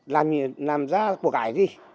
làm ra cuộc ải gì